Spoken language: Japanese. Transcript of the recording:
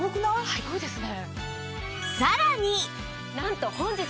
すごいですね。